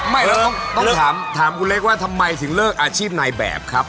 ไม่ต้องถามคุณเล็กว่าทำไมถึงเลิกอาชีพนายแบบครับ